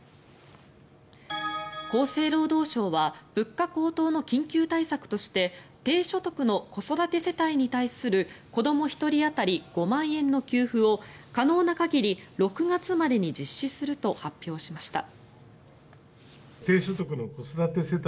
厚生労働省は物価高騰の緊急対策として低所得の子育て世帯に対する子ども１人当たり５万円の給付を可能な限り６月までに実施すると発表しました。